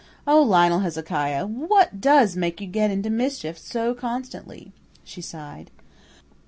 "Oh, Lionel Hezekiah, what does make you get into mischief so constantly?" she sighed.